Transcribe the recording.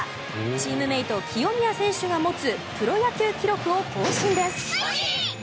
チームメート、清宮選手が持つプロ野球記録を更新です。